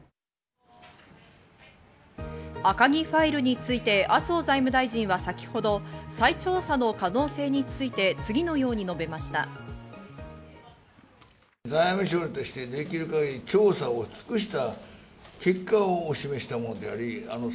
赤木ファイルについて麻生財務大臣は先ほど調査の可能性について次のように述べました。